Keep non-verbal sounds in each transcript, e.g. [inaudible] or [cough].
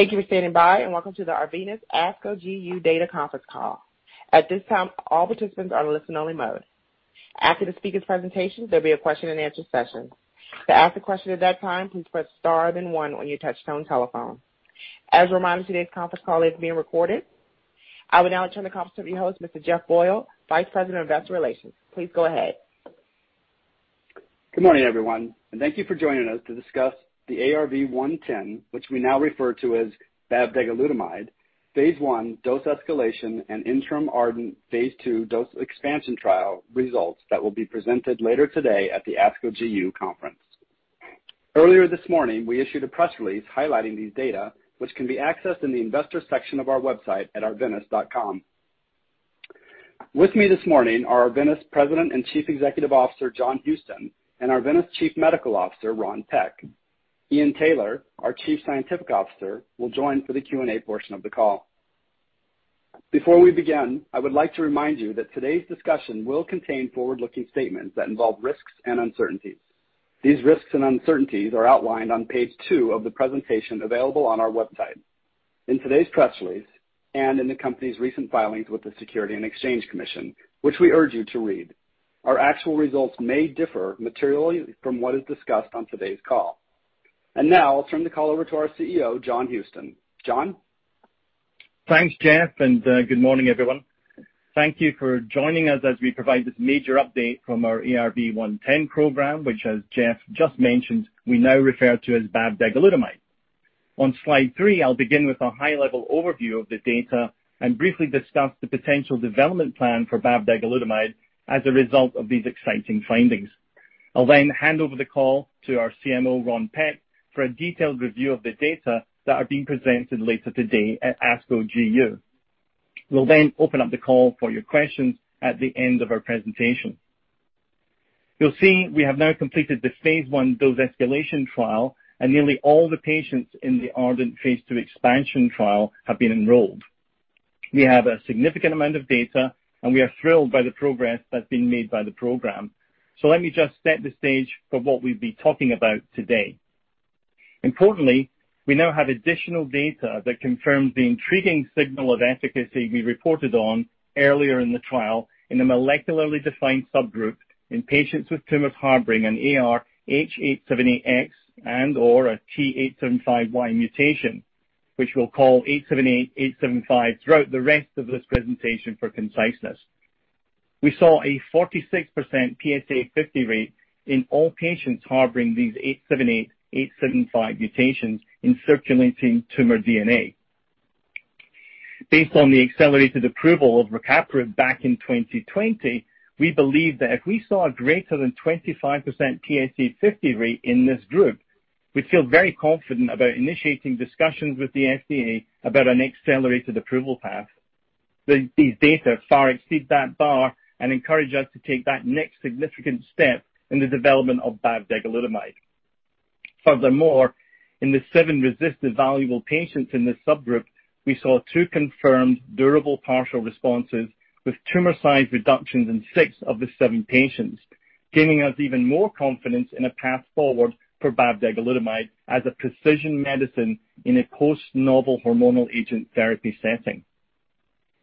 Thank you for standing by and welcome to the Arvinas ASCO GU Data Conference Call. At this time, all participants are in listen-only mode. After the speaker's presentation, there'll be a question and answer session. To ask a question at that time, please press star then one on your touchtone telephone. As a reminder, today's conference call is being recorded. I will now turn the conference over to your host, Mr. Jeff Boyle, Vice President of Investor Relations. Please go ahead. Good morning everyone, and thank you for joining us to discuss the ARV-110, which we now refer to as bavdegalutamide, phase I dose escalation and interim ARDENT phase II dose expansion trial results that will be presented later today at the ASCO GU conference. Earlier this morning, we issued a press release highlighting these data which can be accessed in the investor section of our website at arvinas.com. With me this morning are Arvinas President and Chief Executive Officer, John Houston, and Arvinas Chief Medical Officer, Ron Peck. Ian Taylor, our Chief Scientific Officer, will join for the Q and A portion of the call. Before we begin, I would like to remind you that today's discussion will contain forward-looking statements that involve risks and uncertainties. These risks and uncertainties are outlined on page two of the presentation available on our website. In today's press release and in the company's recent filings with the Securities and Exchange Commission which we urge you to read. Our actual results may differ materially from what is discussed on today's call. Now I'll turn the call over to our CEO, John Houston. John? Thanks Jeff, and good morning everyone. Thank you for joining us as we provide this major update from our ARV-110 program, which, as Jeff just mentioned, we now refer to as bavdegalutamide. On slide three, I'll begin with a high level overview of the data and briefly discuss the potential development plan for bavdegalutamide as a result of these exciting findings. I'll then hand over the call to our CMO, Ron Peck, for a detailed review of the data that are being presented later today at ASCO GU. We'll then open up the call for your questions at the end of our presentation. You'll see we have now completed the phase I dose escalation trial, and nearly all the patients in the ARDENT phase II expansion trial have been enrolled. We have a significant amount of data and we are thrilled by the progress that's been made by the program. Let me just set the stage for what we've been talking about today. Importantly, we now have additional data that confirms the intriguing signal of efficacy we reported on earlier in the trial in a molecularly defined subgroup in patients with tumors harboring an AR T878X and/or a H875Y mutation, which we'll call T878X, H875Y throughout the rest of this presentation for conciseness. We saw a 46% PSA50 rate in all patients harboring these T878X, H875Y mutations in circulating tumor DNA. Based on the accelerated approval of rucaparib back in 2020, we believe that if we saw a greater than 25% PSA50 rate in this group, we'd feel very confident about initiating discussions with the FDA about an accelerated approval path. These data far exceed that bar and encourage us to take that next significant step in the development of bavdegalutamide. Furthermore, in the seven RECIST-evaluable patients in this subgroup, we saw two confirmed durable partial responses with tumor size reductions in six of the seven patients, giving us even more confidence in a path forward for bavdegalutamide as a precision medicine in a post novel hormonal agent therapy setting.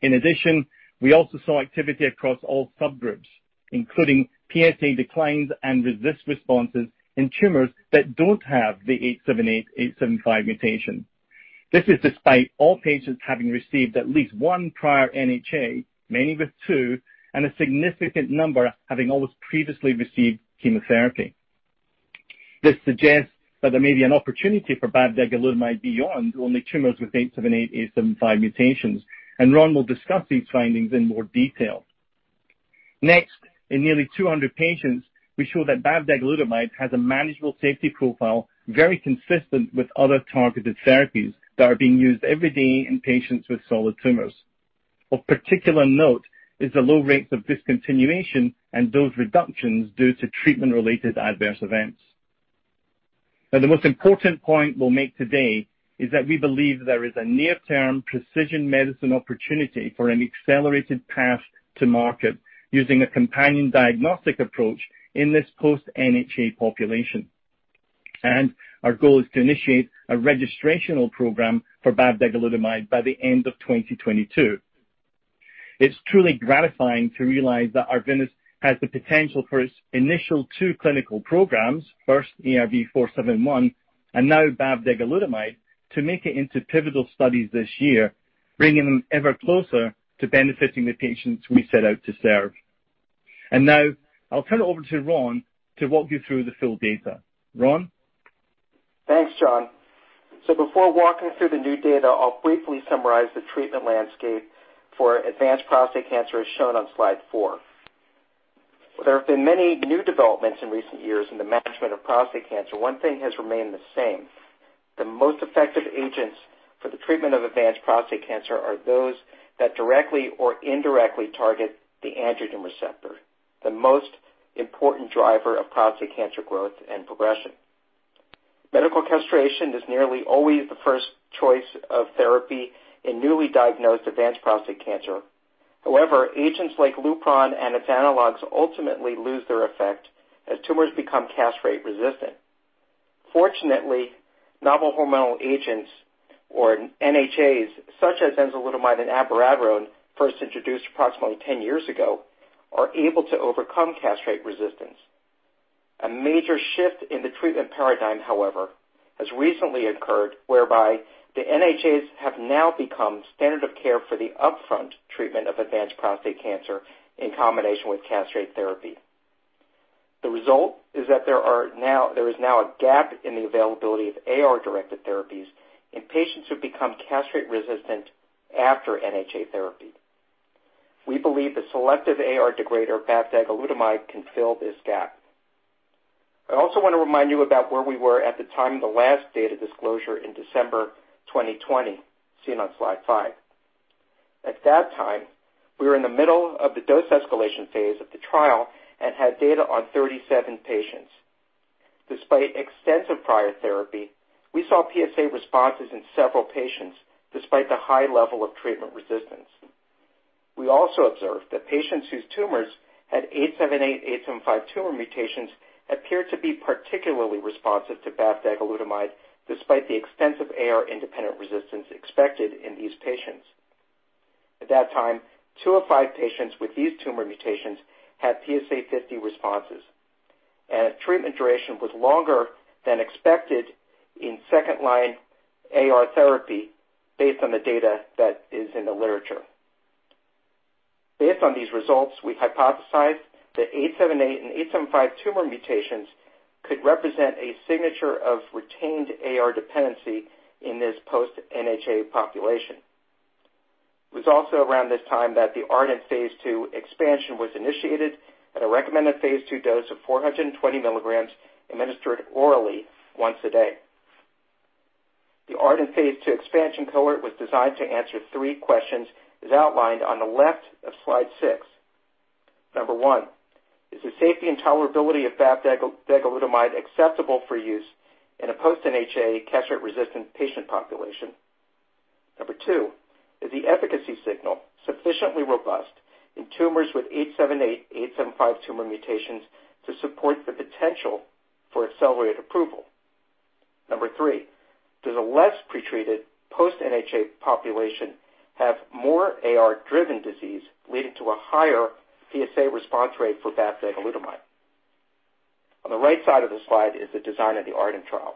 In addition, we also saw activity across all subgroups, including PSA declines and RECIST responses in tumors that don't have the T878X, H875Y mutation. This is despite all patients having received at least one prior NHA, many with two, and a significant number having almost previously received chemotherapy. This suggests that there may be an opportunity for bavdegalutamide beyond only tumors with T878X, H875Y mutations, and Ron will discuss these findings in more detail. Next, in nearly 200 patients, we show that bavdegalutamide has a manageable safety profile, very consistent with other targeted therapies that are being used every day in patients with solid tumors. Of particular note is the low rates of discontinuation and dose reductions due to treatment related adverse events. Now, the most important point we'll make today is that we believe there is a near-term precision medicine opportunity for an accelerated path to market using a companion diagnostic approach in this post NHA population. Our goal is to initiate a registrational program for bavdegalutamide by the end of 2022. It's truly gratifying to realize that Arvinas has the potential for its initial two clinical programs, first ARV-471 and now bavdegalutamide, to make it into pivotal studies this year bringing them ever closer to benefiting the patients we set out to serve. Now I'll turn it over to Ron to walk you through the full data. Ron? Thanks, John. Before walking through the new data, I'll briefly summarize the treatment landscape for advanced prostate cancer, as shown on slide four. There have been many new developments in recent years in the management of prostate cancer. One thing has remained the same. The most effective agents for the treatment of advanced prostate cancer are those that directly or indirectly target the androgen receptor, the most important driver of prostate cancer growth and progression. Medical castration is nearly always the first choice of therapy in newly diagnosed advanced prostate cancer. However, agents like Lupron and its analogs ultimately lose their effect as tumors become castration-resistant. Fortunately, novel hormonal agents, or NHAs, such as enzalutamide and abiraterone, first introduced approximately 10 years ago are able to overcome castration resistance. A major shift in the treatment paradigm, however, has recently occurred whereby the NHAs have now become standard of care for the upfront treatment of advanced prostate cancer in combination with castrate therapy. The result is that there is now a gap in the availability of AR-directed therapies in patients who become castrate resistant after NHA therapy. We believe the selective AR degrader, bavdegalutamide, can fill this gap. I also want to remind you about where we were at the time of the last data disclosure in December 2020, seen on slide five. At that time, we were in the middle of the dose escalation phase of the trial and had data on 37 patients. Despite extensive prior therapy, we saw PSA responses in several patients despite the high level of treatment resistance. We also observed that patients whose tumors had T878X, H875Y tumor mutations appeared to be particularly responsive to bavdegalutamide despite the extensive AR independent resistance expected in these patients. At that time, two of five patients with these tumor mutations had PSA50 responses, and treatment duration was longer than expected in second-line AR therapy based on the data that is in the literature. Based on these results, we hypothesized that T878X, H875Y tumor mutations could represent a signature of retained AR dependency in this post-NHA population. It was also around this time that the ARDENT phase II expansion was initiated at a recommended phase II dose of 420 mg administered orally once a day. The ARDENT phase II expansion cohort was designed to answer three questions as outlined on the left of slide six. Number one, is the safety and tolerability of bavdegalutamide acceptable for use in a post-NHA castration-resistant patient population? Number two, is the efficacy signal sufficiently robust in tumors with T878X, H875Y tumor mutations to support the potential for accelerated approval? Number 3, does a less pretreated post-NHA population have more AR-driven disease leading to a higher PSA response rate for bavdegalutamide? On the right side of the slide is the design of the ARDENT trial.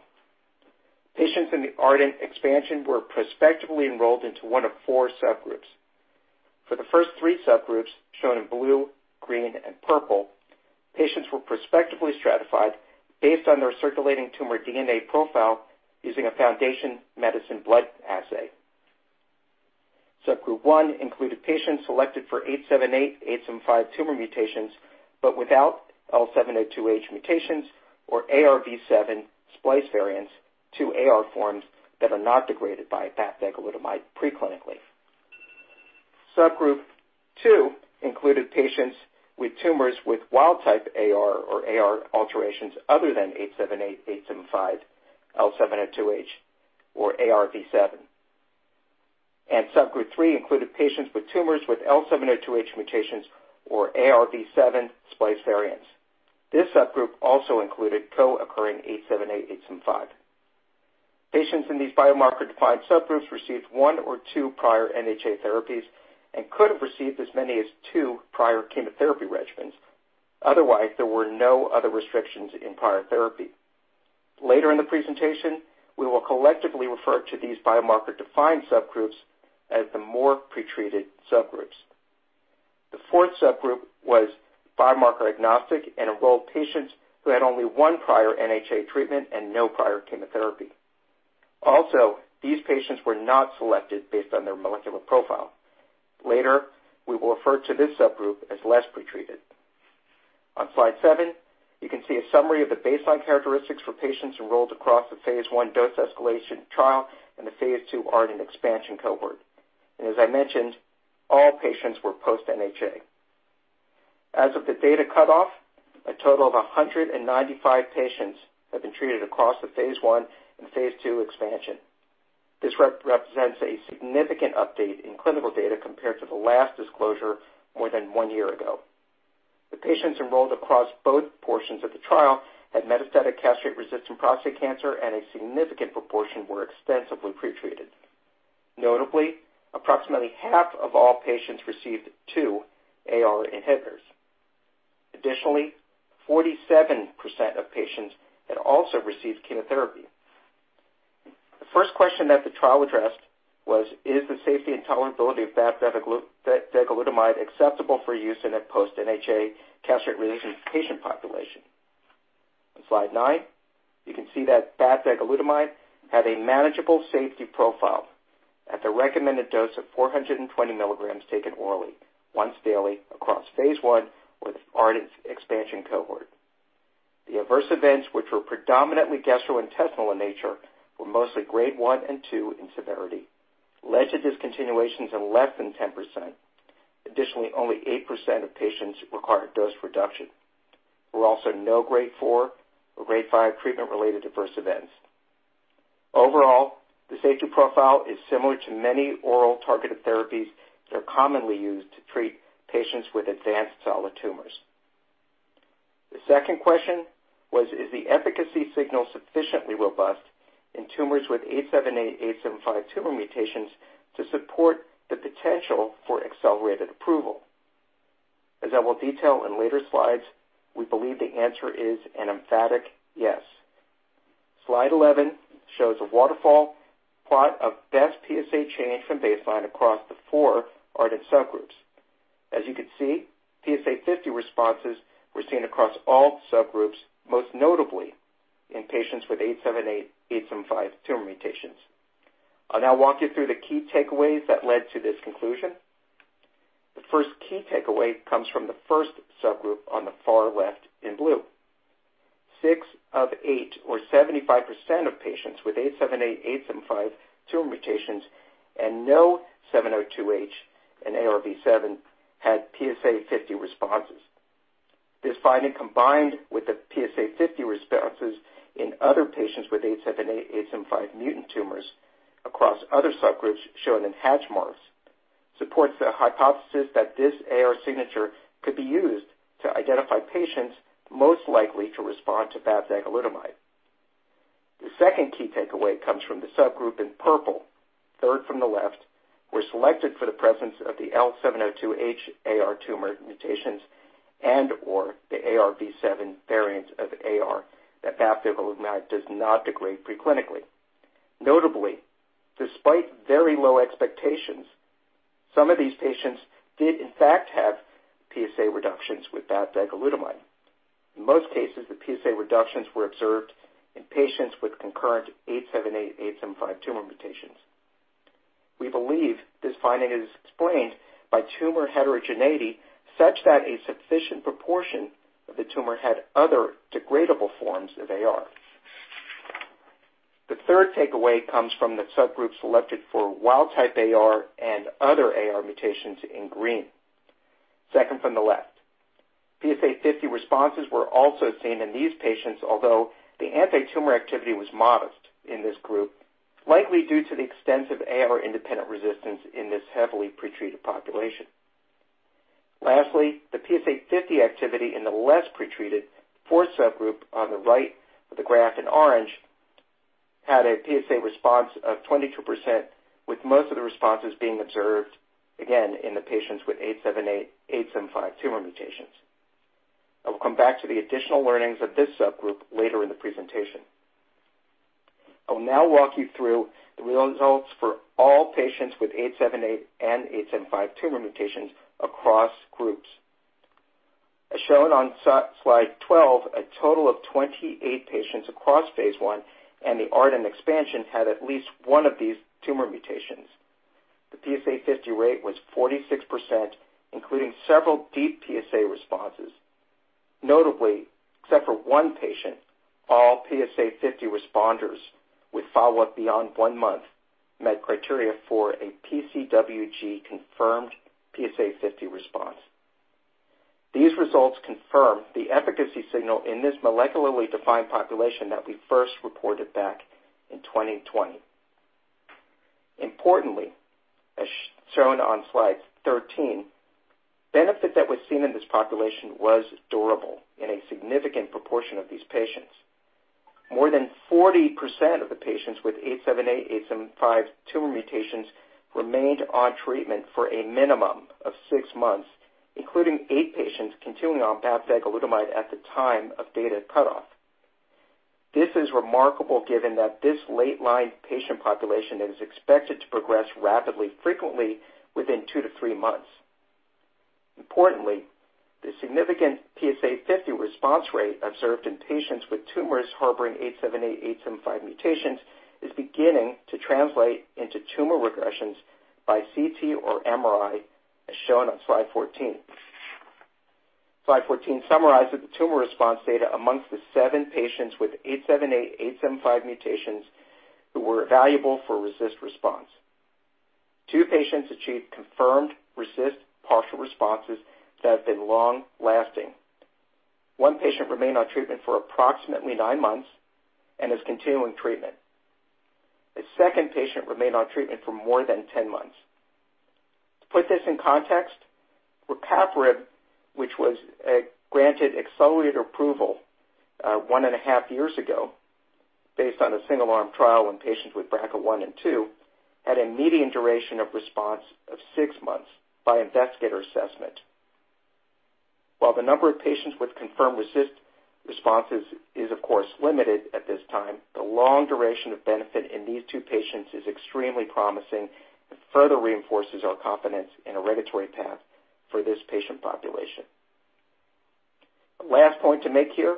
Patients in the ARDENT expansion were prospectively enrolled into one of four subgroups. For the first three subgroups, shown in blue, green, and purple, patients were prospectively stratified based on their circulating tumor DNA profile using a Foundation Medicine blood assay. Subgroup one included patients selected for T878X, H875Y tumor mutations but without L702H mutations or AR-V7 splice variants to AR forms that are not degraded by bavdegalutamide preclinically. Subgroup 2 included patients with tumors with wild type AR or AR alterations other than T878X, H875Y, L702H, or AR-V7. Subgroup 3 included patients with tumors with L702H mutations or AR-V7 splice variants. This subgroup also included co-occurring T878X, H875Y. Patients in these biomarker defined subgroups received one or two prior NHA therapies and could have received as many as two prior chemotherapy regimens. Otherwise, there were no other restrictions in prior therapy. Later in the presentation, we will collectively refer to these biomarker defined subgroups as the more pretreated subgroups. The fourth subgroup was biomarker agnostic and enrolled patients who had only one prior NHA treatment and no prior chemotherapy. Also, these patients were not selected based on their molecular profile. Later, we will refer to this subgroup as less pretreated. On slide seven, you can see a summary of the baseline characteristics for patients enrolled across the phase I dose escalation trial and the phase II ARDENT expansion cohort. As I mentioned, all patients were post NHA. As of the data cutoff, a total of 195 patients have been treated across the phase I and phase II expansion. This represents a significant update in clinical data compared to the last disclosure more than one year ago. The patients enrolled across both portions of the trial had metastatic castration-resistant prostate cancer and a significant proportion were extensively pretreated. Notably, approximately half of all patients received two AR inhibitors. Additionally, 47% of patients had also received chemotherapy. The first question that the trial addressed was, is the safety and tolerability of bavdegalutamide acceptable for use in a post NHA castration-resistant patient population? On slide nine, you can see that bavdegalutamide had a manageable safety profile at the recommended dose of 420 mg taken orally once daily across phase I with ARDENT expansion cohort. The adverse events, which were predominantly gastrointestinal in nature, were mostly Grade 1 and Grade 2 in severity and led to discontinuations in less than 10%. Additionally, only 8% of patients required a dose reduction. There were also no Grade 4 or Grade 5 treatment-related adverse events. Overall, the safety profile is similar to many oral targeted therapies that are commonly used to treat patients with advanced solid tumors. The second question was, is the efficacy signal sufficiently robust in tumors with T878X, H875Y tumor mutations to support the potential for accelerated approval? As I will detail in later slides, we believe the answer is an emphatic yes. Slide 11 shows a waterfall plot of best PSA change from baseline across the four ARDENT subgroups. As you can see, PSA50 responses were seen across all subgroups most notably in patients with T878X, H875Y tumor mutations. I'll now walk you through the key takeaways that led to this conclusion. The first key takeaway comes from the first subgroup on the far left in blue. Six of eight or 75% of patients with T878X, H875Y tumor mutations and no L702H and AR-V7 had PSA50 responses. This finding, combined with the PSA50 responses in other patients with T878X, H875Y mutant tumors across other subgroups shown in hatch marks, supports the hypothesis that this AR signature could be used to identify patients most likely to respond to bavdegalutamide. The second key takeaway comes from the subgroup in purple, third from the left, were selected for the presence of the L702H AR tumor mutations and/or the AR-V7 variants of AR that bavdegalutamide does not degrade pre-clinically. Notably, despite very low expectations, some of these patients did in fact have PSA reductions with bavdegalutamide. In most cases, the PSA reductions were observed in patients with concurrent T878, H875Y tumor mutations. We believe this finding is explained by tumor heterogeneity such that a sufficient proportion of the tumor had other degradable forms of AR. The third takeaway comes from the subgroup selected for wild type AR and other AR mutations in green, second from the left. PSA50 responses were also seen in these patients, although the antitumor activity was modest in this group, likely due to the extensive AR independent resistance in this heavily pretreated population. Lastly, the PSA50 activity in the less pretreated fourth subgroup on the right of the graph in orange had a PSA response of 22%, with most of the responses being observed again in the patients with T878X, H875Y tumor mutations. I will come back to the additional learnings of this subgroup later in the presentation. I will now walk you through the results for all patients with T878X and H875Y tumor mutations across groups. As shown on slide 12, a total of 28 patients across phase I and the ARDENT expansion had at least one of these tumor mutations. The PSA50 rate was 46%, including several deep PSA responses. Notably, except for one patient, all PSA50 responders with follow-up beyond one month met criteria for a PCWG-confirmed PSA50 response. These results confirm the efficacy signal in this molecularly defined population that we first reported back in 2020. Importantly, as shown on slide 13, benefit that was seen in this population was durable in a significant proportion of these patients. More than 40% of the patients with AR T878X, H875Y tumor mutations remained on treatment for a minimum of six months, including eight patients continuing on bavdegalutamide at the time of data cutoff. This is remarkable given that this late-line patient population is expected to progress rapidly, frequently within two to three months. Importantly, the significant PSA50 response rate observed in patients with tumors harboring T878X/H875Y mutations is beginning to translate into tumor regressions by CT or MRI as shown on slide 14. Slide 14 summarizes the tumor response data among the seven patients with T878X, H875Y mutations who were evaluable for RECIST response. Two patients achieved confirmed RECIST partial responses that have been long lasting. One patient remained on treatment for approximately nine months and is continuing treatment. A second patient remained on treatment for more than 10 months. To put this in context, rucaparib which was granted accelerated approval 1.5 years ago based on a single-arm trial in patients with BRCA1 and BRCA2, had a median duration of response of six months by investigator assessment. While the number of patients with confirmed response is of course limited at this time, the long duration of benefit in these two patients is extremely promising and further reinforces our confidence in a regulatory path for this patient population. Last point to make here,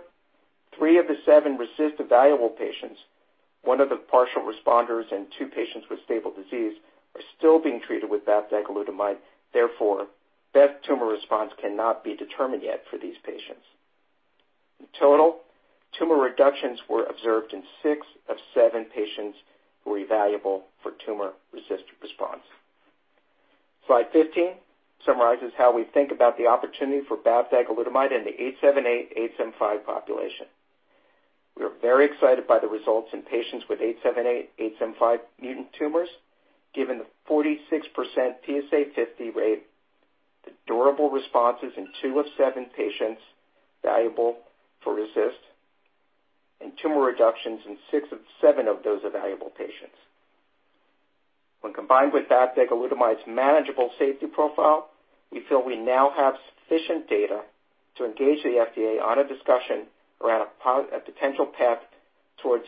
three of the seven response evaluable patients, one of the partial responders and two patients with stable disease are still being treated with bavdegalutamide, therefore, best tumor response cannot be determined yet for these patients. In total, tumor reductions were observed in six of seven patients who were evaluable for tumor response. Slide 15 summarizes how we think about the opportunity for bavdegalutamide in the T878X H875Y population. We are very excited by the results in patients with T878X and H875Y mutant tumors, given the 46% PSA50 rate, the durable responses in two of seven patients evaluable for RECIST and tumor reductions in six of seven of those evaluable patients. When combined with bavdegalutamide's manageable safety profile, we feel we now have sufficient data to engage the FDA on a discussion around a potential path towards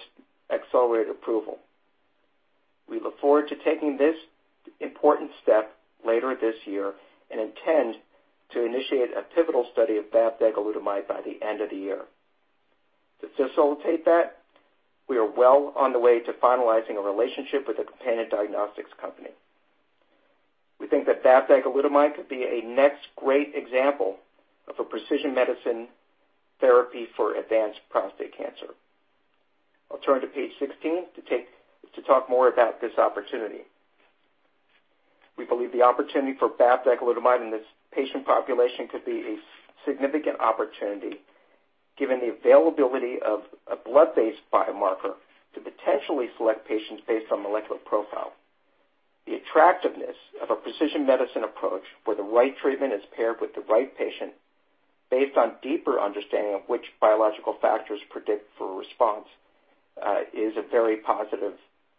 accelerated approval. We look forward to taking this important step later this year and intend to initiate a pivotal study of bavdegalutamide by the end of the year. To facilitate that, we are well on the way to finalizing a relationship with a companion diagnostics company. We think that bavdegalutamide could be a next great example of a precision medicine therapy for advanced prostate cancer. I'll turn to page 16 to talk more about this opportunity. We believe the opportunity for bavdegalutamide in this patient population could be a significant opportunity given the availability of a blood-based biomarker to potentially select patients based on molecular profile. The attractiveness of a precision medicine approach where the right treatment is paired with the right patient based on deeper understanding of which biological factors predict for response is a very positive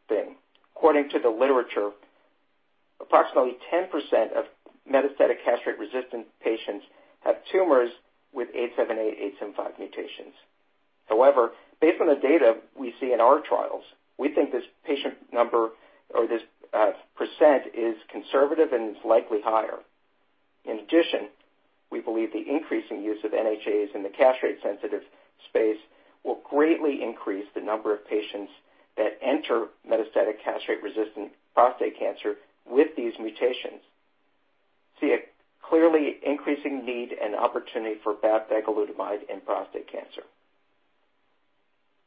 thing. According to the literature, approximately 10% of metastatic castration-resistant patients have tumors with T878X, H875Y mutations. However, based on the data we see in our trials, we think this patient number or this percent is conservative and is likely higher. In addition, we believe the increasing use of NHAs in the castration-sensitive space will greatly increase the number of patients that enter metastatic castration-resistant prostate cancer with these mutations. We see a clearly increasing need and opportunity for bavdegalutamide in prostate cancer.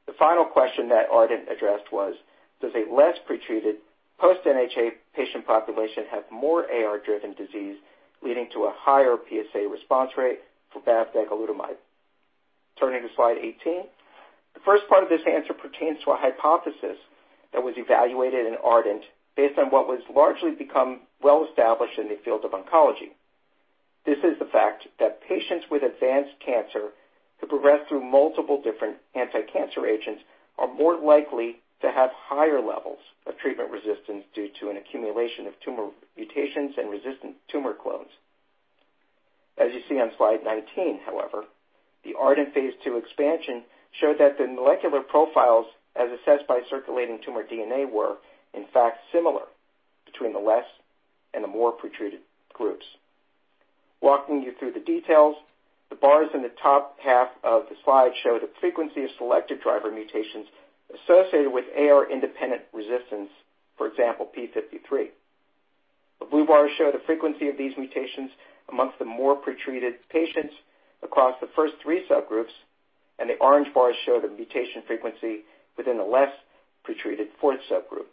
The final question that ARDENT addressed was, does a less pretreated post-NHA patient population have more AR driven disease leading to a higher PSA response rate for bavdegalutamide? Turning to slide 18, the first part of this answer pertains to a hypothesis that was evaluated in ARDENT based on what was largely become well established in the field of oncology. This is the fact that patients with advanced cancer who progress through multiple different anti-cancer agents are more likely to have higher levels of treatment resistance due to an accumulation of tumor mutations and resistant tumor clones. As you see on slide 19, however, the ARDENT phase II expansion showed that the molecular profiles, as assessed by circulating tumor DNA, were in fact similar between the less and the more pretreated groups. Walking you through the details, the bars in the top half of the slide show the frequency of selected driver mutations associated with AR-independent resistance, for example, p53. The blue bars show the frequency of these mutations among the more pretreated patients across the first three subgroups, and the orange bars show the mutation frequency within the less pretreated fourth subgroup.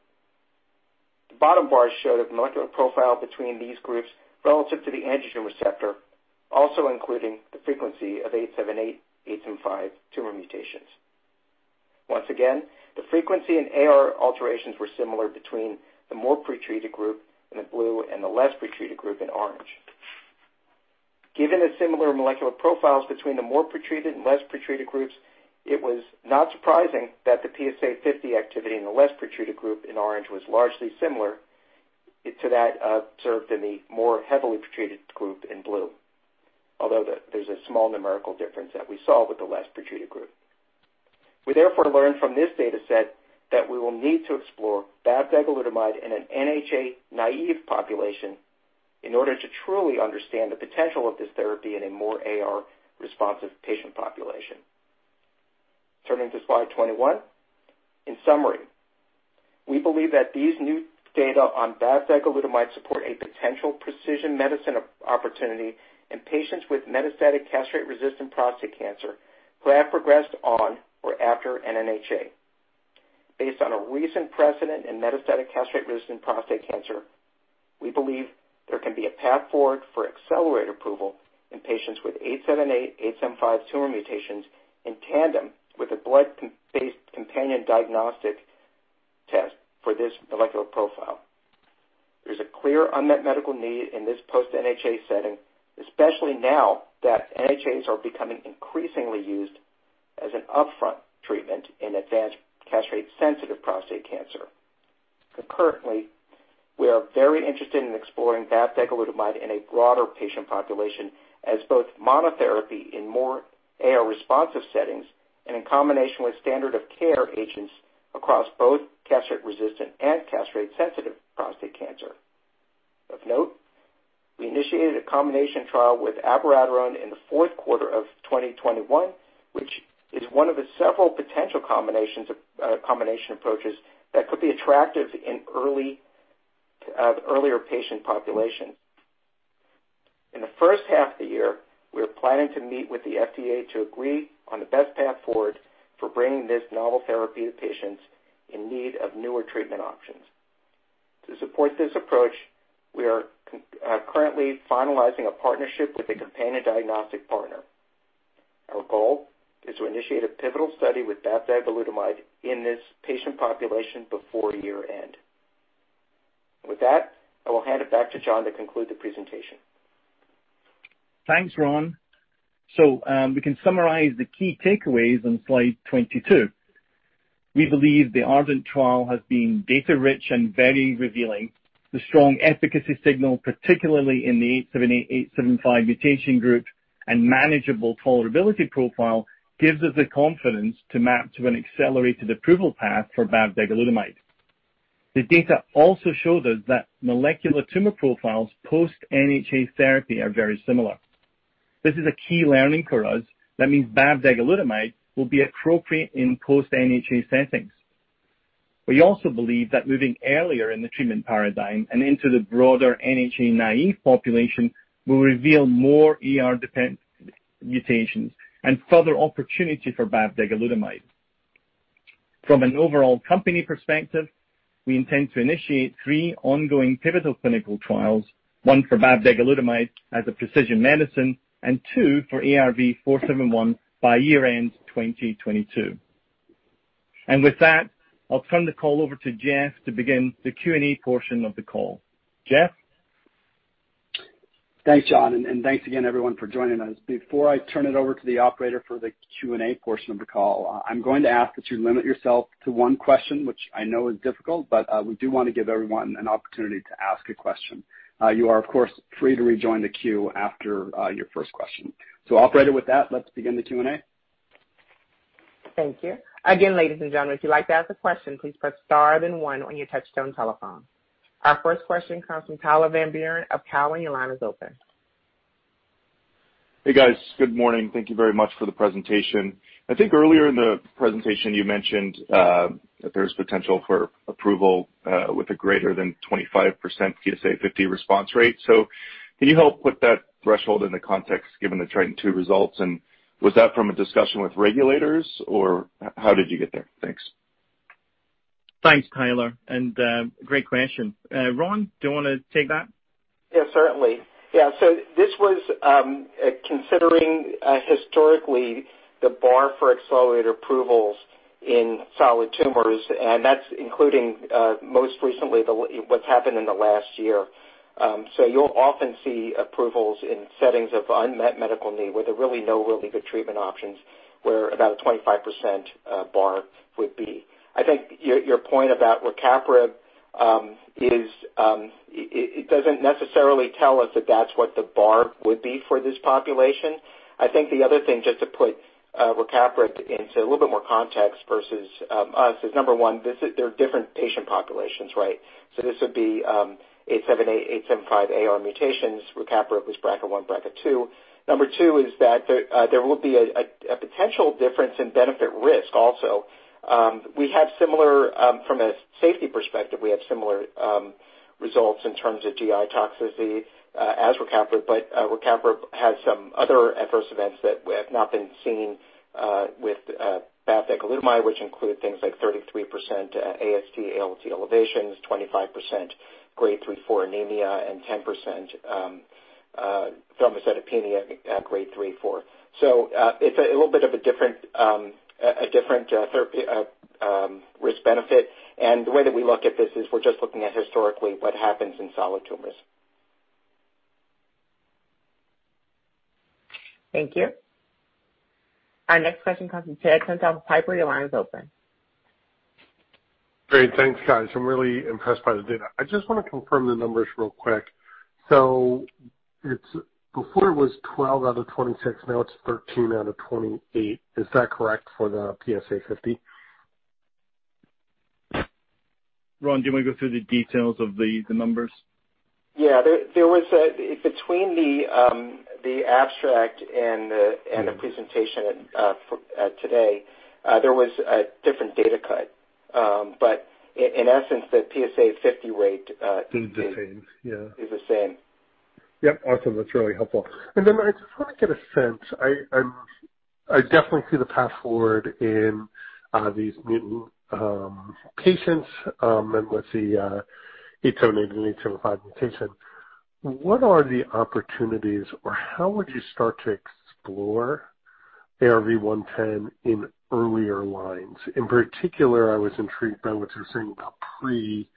The bottom bars show the molecular profile between these groups relative to the androgen receptor, also including the frequency of T878X, H875Y tumor mutations. Once again, the frequency of AR alterations were similar between the more pretreated group in the blue and the less pretreated group in orange. Given the similar molecular profiles between the more pretreated and less pretreated groups, it was not surprising that the PSA50 activity in the less pretreated group in orange was largely similar to that observed in the more heavily pretreated group in blue. Although there's a small numerical difference that we saw with the less pretreated group. We therefore learned from this data set that we will need to explore bavdegalutamide in an NHA-naive population in order to truly understand the potential of this therapy in a more AR responsive patient population. Turning to slide 21. In summary, we believe that these new data on bavdegalutamide support a potential precision medicine opportunity in patients with metastatic castration-resistant prostate cancer who have progressed on or after an NHA. Based on a recent precedent in metastatic castration-resistant prostate cancer, we believe there can be a path forward for accelerated approval in patients with T878X, H875Y tumor mutations in tandem with a blood-based companion diagnostic test for this molecular profile. There's a clear unmet medical need in this post-NHA setting, especially now that NHAs are becoming increasingly used as an upfront treatment in advanced castration-sensitive prostate cancer. Concurrently, we are very interested in exploring bavdegalutamide in a broader patient population as both monotherapy in more AR responsive settings and in combination with standard of care agents across both castration-resistant and castration-sensitive prostate cancer. Of note, we initiated a combination trial with abiraterone in the fourth quarter of 2021, which is one of the several potential combinations of combination approaches that could be attractive in early, earlier patient populations. In the first half of the year, we are planning to meet with the FDA to agree on the best path forward for bringing this novel therapy to patients in need of newer treatment options. To support this approach, we are currently finalizing a partnership with a companion diagnostic partner. Our goal is to initiate a pivotal study with bavdegalutamide in this patient population before year-end. With that, I will hand it back to John to conclude the presentation. Thanks, Ron. We can summarize the key takeaways on slide 22. We believe the ARDENT trial has been data-rich and very revealing. The strong efficacy signal, particularly in the T878X, H875Y mutation group and manageable tolerability profile, gives us the confidence to map to an accelerated approval path for bavdegalutamide. The data also show us that molecular tumor profiles post-NHA therapy are very similar. This is a key learning for us. That means bavdegalutamide will be appropriate in post-NHA settings. We also believe that moving earlier in the treatment paradigm and into the broader NHA-naive population will reveal more ER-dependent mutations and further opportunity for bavdegalutamide. From an overall company perspective, we intend to initiate three ongoing pivotal clinical trials, one for bavdegalutamide as a precision medicine, and two for ARV-471 by year-end 2022. With that, I'll turn the call over to Jeff to begin the Q&A portion of the call. Jeff? Thanks, John, and thanks again everyone for joining us. Before I turn it over to the operator for the Q&A portion of the call, I'm going to ask that you limit yourself to one question which I know is difficult but we do wanna give everyone an opportunity to ask a question. You are of course free to rejoin the queue after your first question. Operator, with that let's begin the Q&A. Thank you. Again, ladies and gentlemen, if you'd like to ask a question, please press star then one on your touchtone telephone. Our first question comes from Tyler Van Buren of Cowen. Your line is open. Hey, guys. Good morning. Thank you very much for the presentation. I think earlier in the presentation you mentioned that there's potential for approval with a greater than 25% PSA50 response rate. Can you help put that threshold into context given the TRITON2 results? And was that from a discussion with regulators or how did you get there? Thanks. Thanks Tyler, and great question. Ron, do you wanna take that? Yeah, certainly. This was, considering historically the bar for accelerated approvals in solid tumors, and that's including most recently what's happened in the last year. You'll often see approvals in settings of unmet medical need, where there are really no good treatment options, where about a 25% bar would be. I think your point about rucaparib is, it doesn't necessarily tell us that that's what the bar would be for this population. I think the other thing, just to put rucaparib into a little bit more context versus us is number one, they're different patient populations, right? This would be T878X, H875Y AR mutations. Rucaparib was bracket one, bracket two. Number two is that there will be a potential difference in benefit risk also. From a safety perspective, we have similar results in terms of GI toxicity as rucaparib, but rucaparib has some other adverse events that have not been seen with bavdegalutamide, which include things like 33% AST, ALT elevations, 25% Grade 3/4 anemia, and 10% thrombocytopenia at Grade 3/4. It's a little bit of a different risk benefit. The way that we look at this is we're just looking at historically what happens in solid tumors. Thank you. Our next question comes from Ted Tenthoff with Piper. Your line is open. Great. Thanks guys. I'm really impressed by the data. I just wanna confirm the numbers real quick. It's before it was 12 out of 26, now it's 13 out of 28. Is that correct for the PSA50? Ron, do you wanna go through the details of the numbers? Yeah. There was a different data cut between the abstract and the presentation for today. In essence, the PSA50 rate Is the same. Yeah is the same. Yep. Awesome. That's really helpful. I just wanna get a sense. I definitely see the path forward in these mutant patients and with the T878X, H875Y mutations. What are the opportunities or how would you start to explore ARV-110 in earlier lines? In particular, I was intrigued by what you were saying about pre-enzalutamide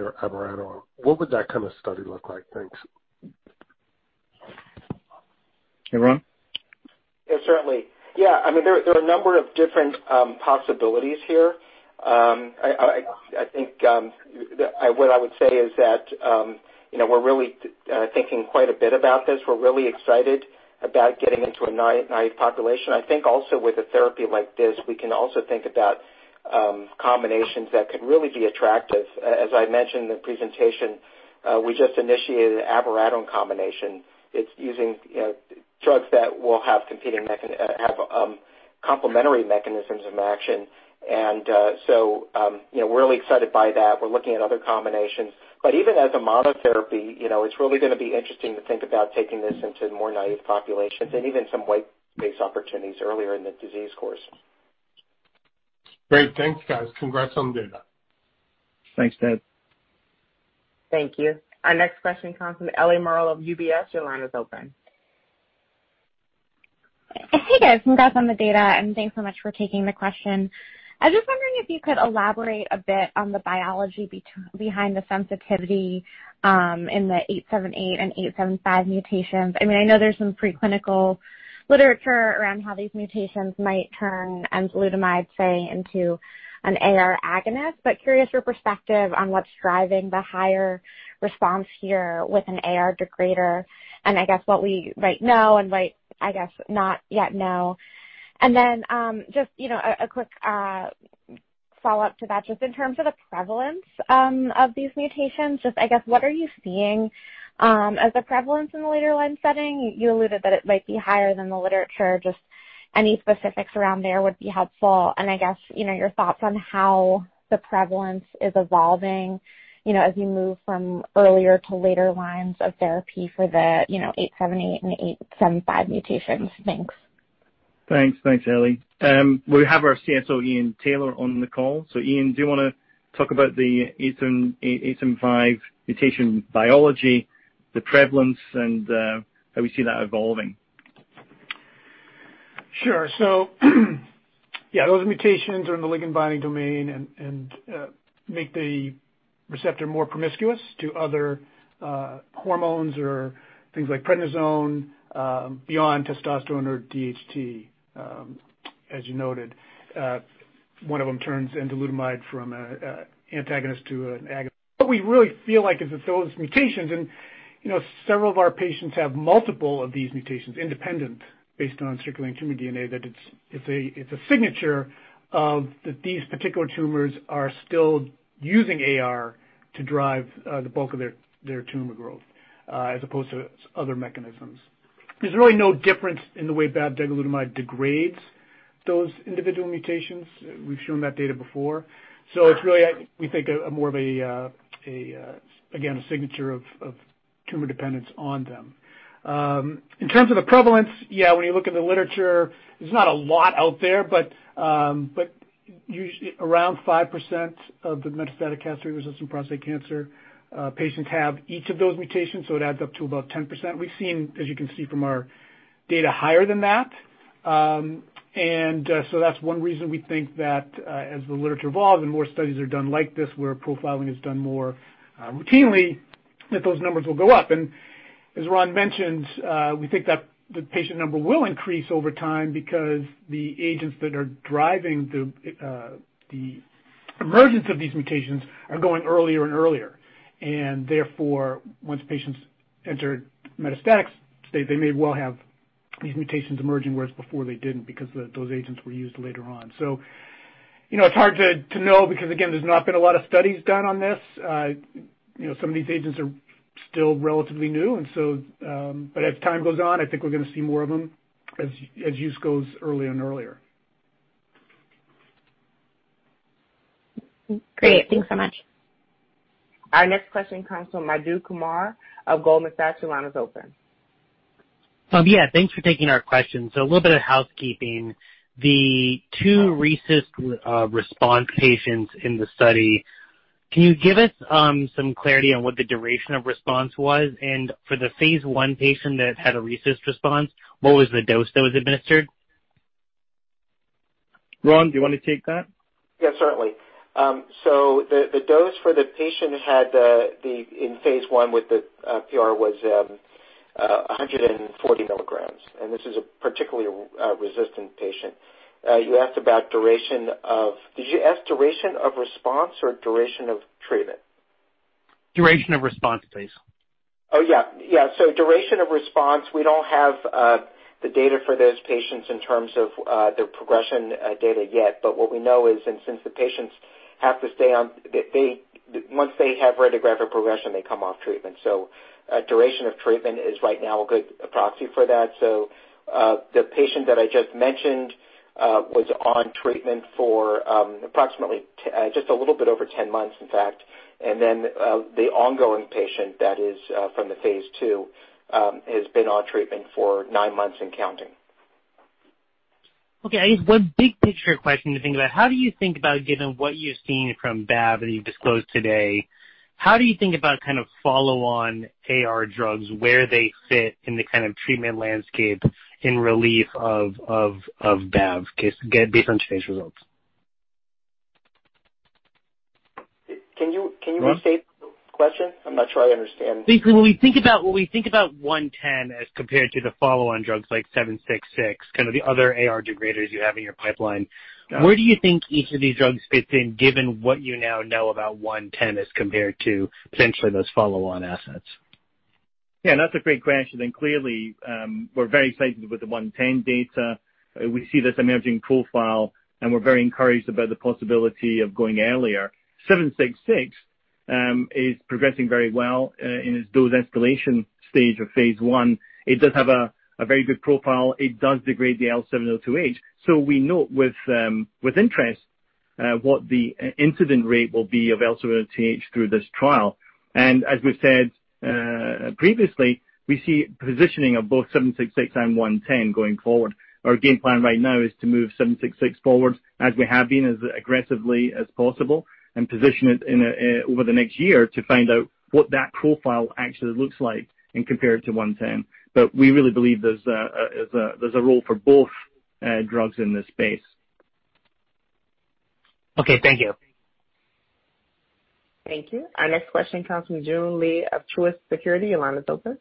or abiraterone. What would that kind of study look like? Thanks. Hey, Ron? Yeah, certainly. Yeah. I mean, there are a number of different possibilities here. I think what I would say is that, you know, we're really thinking quite a bit about this. We're really excited about getting into a naive population. I think also with a therapy like this we can also think about combinations that could really be attractive. As I mentioned in the presentation, we just initiated abiraterone combination. It's using, you know, drugs that will have complementary mechanisms of action. And, you know, we're really excited by that. We're looking at other combinations. Even as a monotherapy, you know, it's really gonna be interesting to think about taking this into more naive populations and even some white space opportunities earlier in the disease course. Great. Thanks, guys. Congrats on the data. Thanks, Ted. Thank you. Our next question comes from Ellie Merle of UBS. Your line is open. Hey, guys. Congrats on the data and thanks so much for taking the question. I was just wondering if you could elaborate a bit on the biology behind the sensitivity in the T878X and H875Y mutations. I mean, I know there's some preclinical literature around how these mutations might turn enzalutamide, say, into an AR agonist, but curious your perspective on what's driving the higher response here with an AR degrader and I guess what we might know and might, I guess, not yet know. Just, you know, a quick follow-up to that, just in terms of the prevalence of these mutations, just I guess, what are you seeing as a prevalence in the later line setting? You alluded that it might be higher than the literature. Just any specifics around there would be helpful. I guess, you know, your thoughts on how the prevalence is evolving, you know, as you move from earlier to later lines of therapy for the, you know, T878 and H875 mutations? Thanks. Thanks. Thanks, Ellie. We have our CSO, Ian Taylor, on the call. Ian, do you wanna talk about the H875Y mutation biology, the prevalence, and how we see that evolving? Sure. Yeah, those mutations are in the ligand binding domain and make the receptor more promiscuous to other hormones or things like prednisone beyond testosterone or DHT, as you noted. One of them turns enzalutamide from an antagonist to an agonist. What we really feel like is that those mutations and, you know, several of our patients have multiple of these mutations independent based on circulating tumor DNA, that it's a signature of that these particular tumors are still using AR to drive the bulk of their tumor growth as opposed to other mechanisms. There's really no difference in the way bavdegalutamide degrades those individual mutations. We've shown that data before. It's really, we think, more of a, again, a signature of tumor dependence on them. In terms of the prevalence, yeah, when you look in the literature, there's not a lot out there, but around 5% of the metastatic castration-resistant prostate cancer patients have each of those mutations, so it adds up to about 10%. We've seen, as you can see from our data, higher than that. So that's one reason we think that as the literature evolves and more studies are done like this, where profiling is done more routinely, that those numbers will go up. As Ron mentioned, we think that the patient number will increase over time because the agents that are driving the emergence of these mutations are going earlier and earlier. Therefore, once patients enter metastatic state they may well have these mutations emerging, whereas before they didn't because the, those agents were used later on. You know, it's hard to know because again there's not been a lot of studies done on this. You know, some of these agents are still relatively new and so, but as time goes on, I think we're gonna see more of them as use goes earlier and earlier. Great. Thanks so much. Our next question comes from Madhu Kumar of Goldman Sachs. Your line is open. Yeah, thanks for taking our question. A little bit of housekeeping. The two RECIST response patients in the study, can you give us some clarity on what the duration of response was? For the phase I patient that had a RECIST response, what was the dose that was administered? Ron, do you wanna take that? Yeah, certainly. The dose for the patient in phase I with the PR was 140 mg, and this is a particularly resistant patient. Did you ask duration of response or duration of treatment? Duration of response, please? Oh, yeah. Yeah, duration of response, we don't have the data for those patients in terms of their progression data yet. What we know is, since the patients have to stay on treatment. They once they have radiographic progression they come off treatment. A duration of treatment is right now a good proxy for that. The patient that I just mentioned was on treatment for approximately just a little bit over 10 months, in fact. The ongoing patient that is from the phase II has been on treatment for nine months and counting. Okay. I guess one big picture question to think about, how do you think about given what you're seeing from bav that you've disclosed today, how do you think about kind of follow-on AR drugs, where they fit in the kind of treatment landscape in lieu of bav based on today's results? Can you restate the question? I'm not sure I understand. Basically, when we think about ARV-110 as compared to the follow-on drugs like ARV-766, kind of the other AR degraders you have in your pipeline. Got it. Where do you think each of these drugs fits in given what you now know about ARV-110 as compared to potentially those follow-on assets? Yeah, that's a great question, and clearly, we're very excited with the ARV-110 data. We see this emerging profile, and we're very encouraged about the possibility of going earlier. ARV-766 is progressing very well in its dose escalation stage of phase I. It does have a very good profile. It does degrade the L702H. We note with interest what the incidence rate will be of L702H through this trial. As we've said previously, we see positioning of both ARV-766 and ARV-110 going forward. Our game plan right now is to move ARV-766 forward as we have been, as aggressively as possible and position it over the next year to find out what that profile actually looks like and compare it to ARV-110. We really believe there's a role for both drugs in this space. Okay, thank you. Thank you. Our next question comes from Joon Lee of Truist Securities. Your line is open.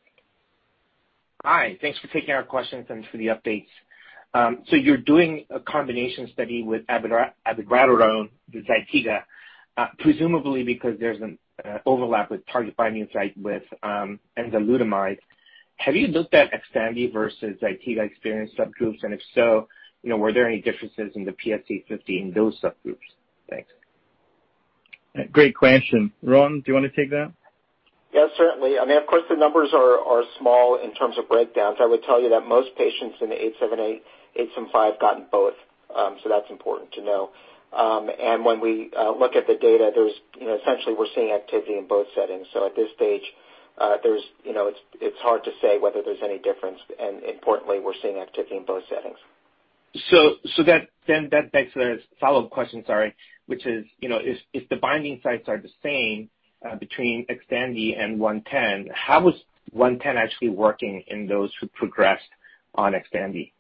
Hi. Thanks for taking our questions and for the updates. You're doing a combination study with abiraterone, the Zytiga, presumably because there's an overlap with target binding site with enzalutamide. Have you looked at Xtandi versus Zytiga experience subgroups, and if so, you know, were there any differences in the PSA50 in those subgroups? Thanks. Great question. Ron, do you wanna take that? Yeah, certainly. I mean, of course, the numbers are small in terms of breakdowns. I would tell you that most patients in the T878X, H875Y gotten both, so that's important to know. And when we look at the data, there's you know, essentially we're seeing activity in both settings. At this stage, there's you know, it's hard to say whether there's any difference, and importantly, we're seeing activity in both settings. That begs the follow-up question, sorry, which is, you know, if the binding sites are the same between Xtandi and ARV-110, how is one ten actually working in those who progressed on Xtandi?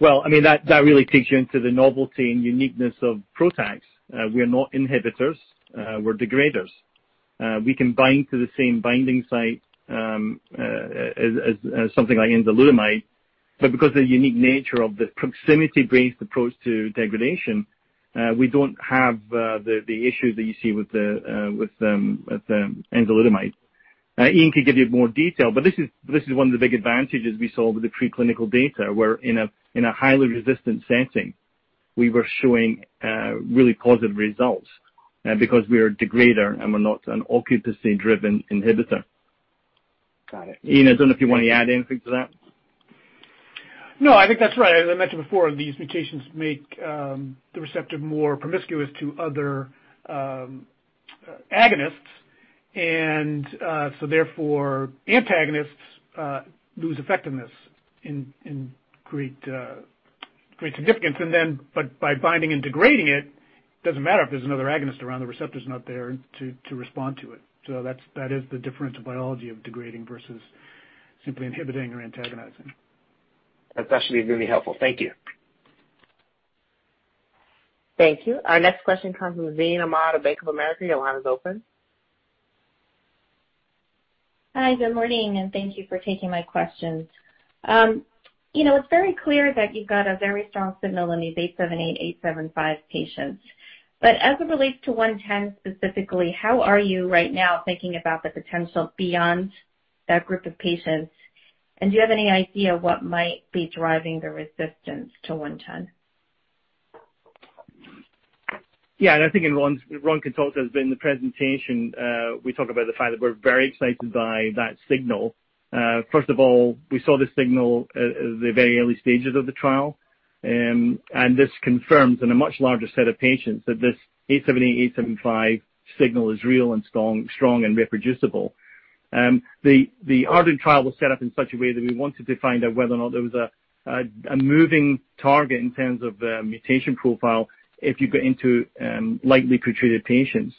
Well, I mean, that really takes you into the novelty and uniqueness of PROTACs. We're not inhibitors, we're degraders. We can bind to the same binding site as something like enzalutamide. Because of the unique nature of the proximity-based approach to degradation, we don't have the issues that you see with the enzalutamide. Ian could give you more detail, but this is one of the big advantages we saw with the preclinical data, where in a highly resistant setting, we were showing really positive results because we're a degrader and we're not an occupancy-driven inhibitor. Got it. Ian, I don't know if you want to add anything to that. No, I think that's right. As I mentioned before, these mutations make the receptor more promiscuous to other agonists, and so therefore, antagonists lose effectiveness in great significance. By binding and degrading it, doesn't matter if there's another agonist around, the receptor's not there to respond to it. That is the difference in biology of degrading versus simply inhibiting or antagonizing. That's actually really helpful. Thank you. Thank you. Our next question comes from Tazeen Ahmad of Bank of America. Your line is open. Hi, good morning, and thank you for taking my questions. You know, it's very clear that you've got a very strong signal in these T878X, H875Y patients. As it relates to ARV-110 specifically, how are you right now thinking about the potential beyond that group of patients? And do you have any idea what might be driving the resistance to ARV-110? Yeah, I think in Ron's, Ron can talk to this, but in the presentation, we talk about the fact that we're very excited by that signal. First of all, we saw the signal at the very early stages of the trial, and this confirms in a much larger set of patients that this T878X, H875Y signal is real and strong and reproducible. The ARDENT trial was set up in such a way that we wanted to find out whether or not there was a moving target in terms of mutation profile if you get into heavily pretreated patients.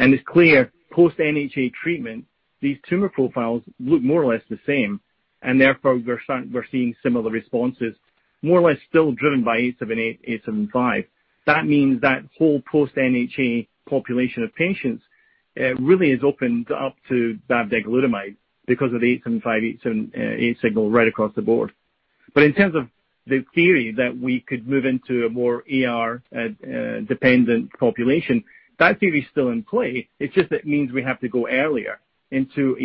It's clear, post-NHA treatment, these tumor profiles look more or less the same, and therefore we're seeing similar responses, more or less still driven by T878X, H875Y. That means that whole post-NHA population of patients really is opened up to bavdegalutamide because of the H875Y, T878X signal right across the board. In terms of the theory that we could move into a more AR dependent population, that theory is still in play. It's just it means we have to go earlier into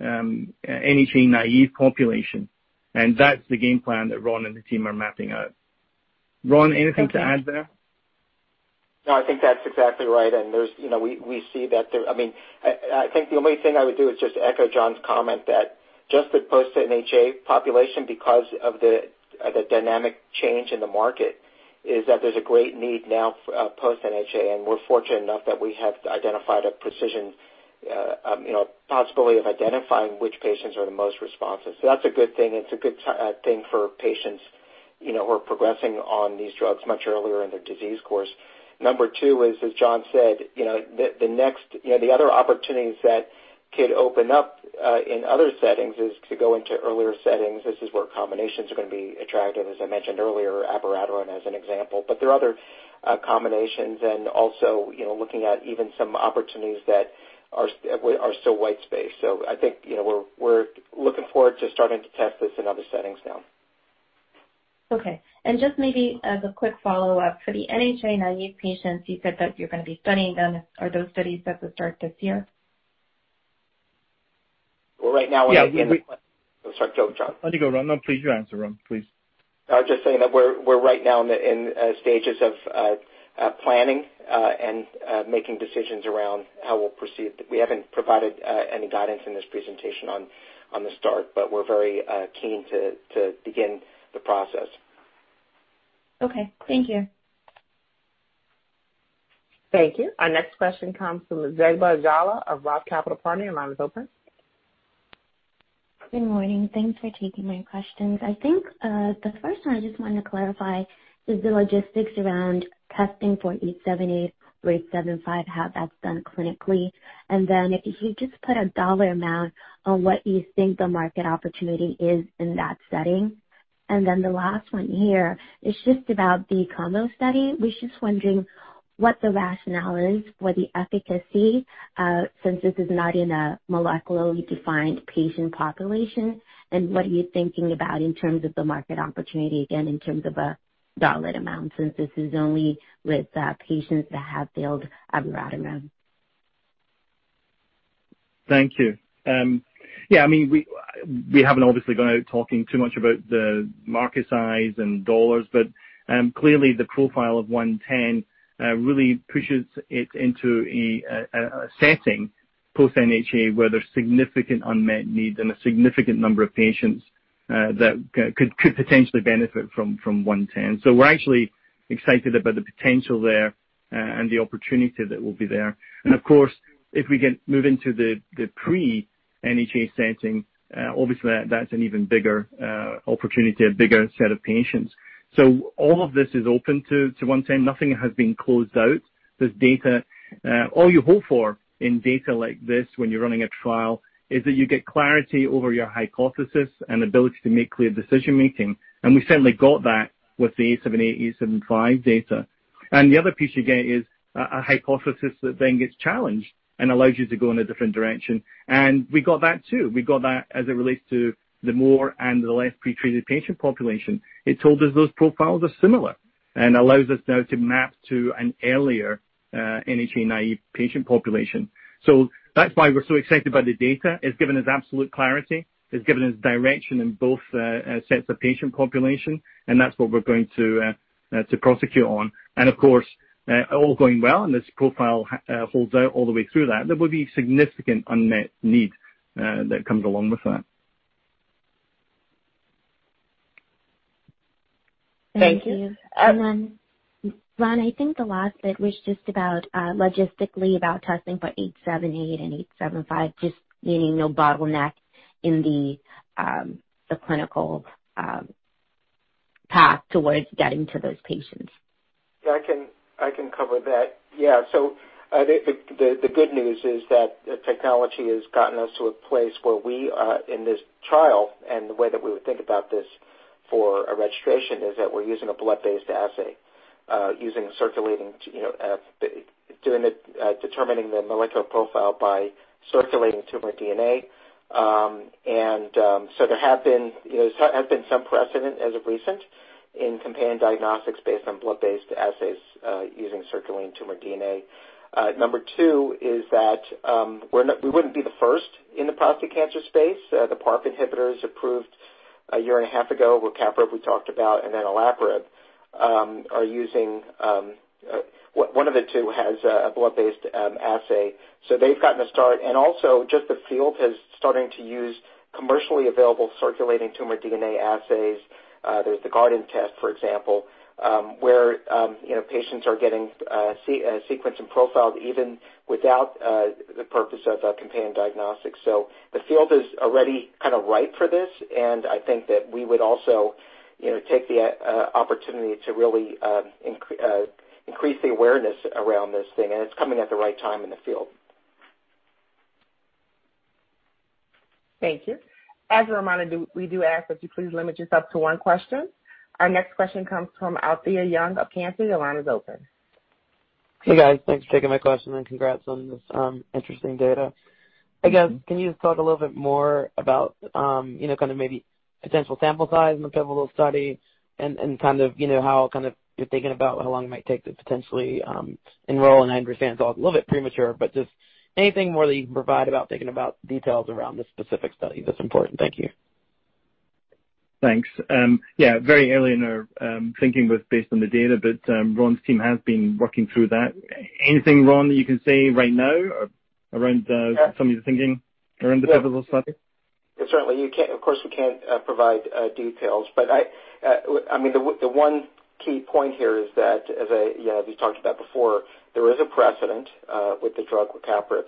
an NHA-naive population. That's the game plan that Ron and the team are mapping out. Ron, anything to add there? No, I think that's exactly right. There's, you know, we see that there. I mean, I think the only thing I would do is just echo John's comment that just the post-NHA population because of the dynamic change in the market, is that there's a great need now for post-NHA and we're fortunate enough that we have identified a precision, you know, possibility of identifying which patients are the most responsive. That's a good thing, and it's a good thing for patients, you know, who are progressing on these drugs much earlier in their disease course. Number two is, as John said, you know, the next, you know, the other opportunities that could open up in other settings is to go into earlier settings. This is where combinations are gonna be attractive, as I mentioned earlier, abiraterone as an example. There are other combinations and also, you know, looking at even some opportunities that are still white space. I think, you know, we're looking forward to starting to test this in other settings now. Okay. Just maybe as a quick follow-up, for the NHA-naive patients, you said that you're gonna be studying them. Are those studies set to start this year? Well, right now. [crosstalk] Yeah. [crosstalk] Sorry, go John. Oh, you go, Ron. No, please, you answer, Ron, please. I was just saying that we're right now in the stages of planning and making decisions around how we'll proceed. We haven't provided any guidance in this presentation on the start, but we're very keen to begin the process. Okay. Thank you. Thank you. Our next question comes from Zegbeh Jallah of ROTH Capital Partners. Your line is open. Good morning. Thanks for taking my questions. I think the first one I just wanted to clarify is the logistics around testing for T878X or H875Y, how that's done clinically. Can you just put a dollar amount on what you think the market opportunity is in that setting? The last one here is just about the combo study. I was just wondering what the rationale is for the efficacy since this is not in a molecularly defined patient population? And what are you thinking about in terms of the market opportunity again in terms of a dollar amount, since this is only with patients that have failed abiraterone? Thank you. Yeah, I mean, we haven't obviously gone out talking too much about the market size and dollars, but clearly the profile of one ten really pushes it into a setting post-NHA where there's significant unmet need and a significant number of patients that could potentially benefit from one ten. We're actually excited about the potential there and the opportunity that will be there. Of course, if we can move into the pre-NHA setting, obviously that's an even bigger opportunity, a bigger set of patients. All of this is open to one ten. Nothing has been closed out. There's data. All you hope for in data like this when you're running a trial is that you get clarity over your hypothesis and ability to make clear decision-making. We certainly got that with the AR T878X, H875Y data. The other piece you get is a hypothesis that then gets challenged and allows you to go in a different direction. We got that too. We got that as it relates to the more and the less pretreated patient population. It told us those profiles are similar and allows us now to map to an earlier, NHA-naive patient population. That's why we're so excited about the data. It's given us absolute clarity. It's given us direction in both sets of patient population, and that's what we're going to prosecute on. Of course, all going well and this profile holds out all the way through that, there will be significant unmet need that comes along with that. Thank you. [crosstalk] Thank you. Ron, I think the last bit was just about logistically about testing for T878X and H875Y, just needing no bottleneck in the clinical path towards getting to those patients. Yeah, I can cover that. Yeah. I think the good news is that technology has gotten us to a place where, in this trial, and the way that we would think about this for a registration, is that we're using a blood-based assay, using circulating, determining the molecular profile by circulating tumor DNA. There has been some precedent as of recent in companion diagnostics based on blood-based assays, using circulating tumor DNA. Number two is that we wouldn't be the first in the prostate cancer space. The PARP inhibitor is approved a year and a half ago, rucaparib we talked about and then olaparib are using one of the two has a blood-based assay. They've gotten a start and also just the field is starting to use commercially available circulating tumor DNA assays. There's the Guardant test, for example, where you know patients are getting sequenced and profiled even without the purpose of a companion diagnostic. The field is already kind of ripe for this, and I think that we would also you know take the opportunity to really increase the awareness around this thing, and it's coming at the right time in the field. Thank you. As a reminder, we ask that you please limit yourself to one question. Our next question comes from Alethia Young of Cantor. Your line is open. Hey, guys. Thanks for taking my question, and congrats on this interesting data. I guess, can you just talk a little bit more about, you know, kind of maybe potential sample size in the pivotal study and kind of, you know, how kind of you're thinking about how long it might take to potentially enroll? I understand it's all a little bit premature, but just anything more that you can provide about thinking about details around the specific study that's important. Thank you. Thanks. Yeah, very early in our thinking was based on the data, but Ron's team has been working through that. Anything, Ron, that you can say right now around some of your thinking around the pivotal study? Certainly. Of course we can't provide details, but I mean, the one key point here is that as I, we talked about before, there is a precedent with the drug rucaparib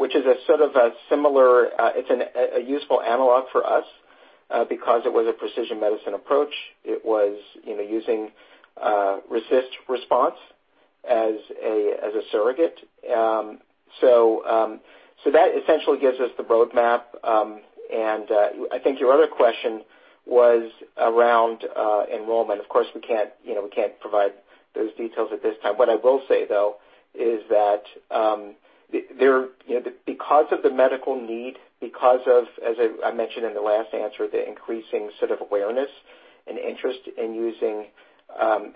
which is sort of a similar. It's a useful analog for us because it was a precision medicine approach. It was, you know, using RECIST response as a surrogate. So that essentially gives us the roadmap. I think your other question was around enrollment. Of course, we can't, you know, we can't provide those details at this time. What I will say, though, is that, there, you know, because of the medical need, because of, as I mentioned in the last answer, the increasing sort of awareness and interest in using,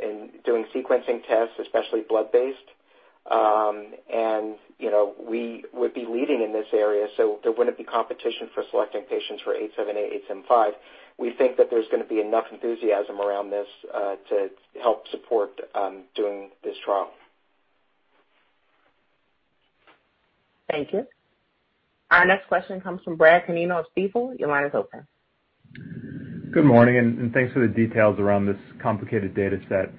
in doing sequencing tests, especially blood-based, and, you know, we would be leading in this area, so there wouldn't be competition for selecting patients for T878X, H875Y. We think that there's gonna be enough enthusiasm around this to help support doing this trial. Thank you. Our next question comes from Brad Canino of Stifel. Your line is open. Good morning, and thanks for the details around this complicated data set.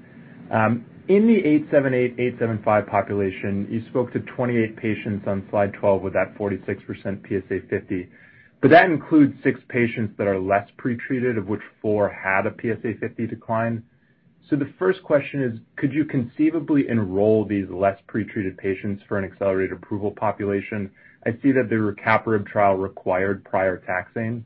In the T878X, H875Y population, you spoke to 28 patients on slide 12 with that 46% PSA50. That includes six patients that are less pretreated, of which four had a PSA50 decline. The first question is, could you conceivably enroll these less pretreated patients for an accelerated approval population? I see that the rucaparib trial required prior taxane.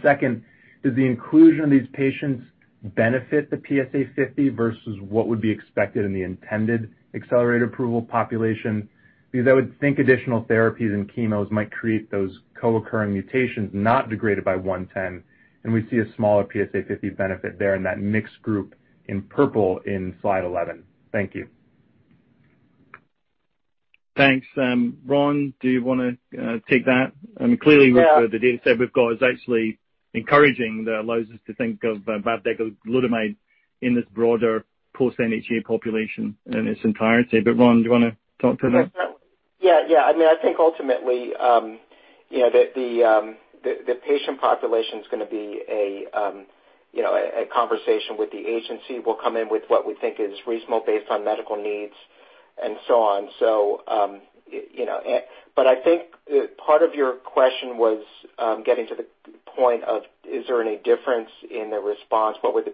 Second, does the inclusion of these patients benefit the PSA50 versus what would be expected in the intended accelerated approval population? Because I would think additional therapies and chemos might create those co-occurring mutations not degraded by ARV-110, and we see a smaller PSA50 benefit there in that mixed group in purple in slide 11. Thank you. Thanks. Ron, do you wanna take that? I mean, clearly. Yeah... with the data set we've got, it's actually encouraging that allows us to think of bavdegalutamide in this broader post-NHA population in its entirety. But Ron, do you wanna talk to that? Yeah. Yeah. I mean, I think ultimately, you know, the patient population's gonna be a conversation with the agency. We'll come in with what we think is reasonable based on medical needs and so on. But I think part of your question was getting to the point of, is there any difference in the response? What would the